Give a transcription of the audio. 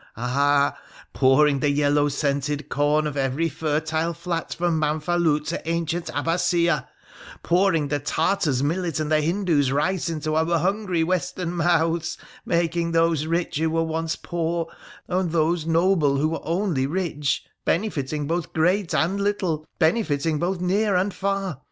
Ah ! pouring the yellow scented corn of every fertile flat from Manfalout to ancient Abbasiyeh ; pouring the Tar tar's millet and the Hindoo's rice into our hungry Western mouths ; making those rich who once were poor, and those noble who once were only rich; benefiting both great and little — benefiting both near and far